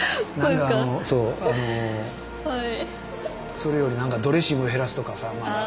それより何かドレッシング減らすとかさまだ。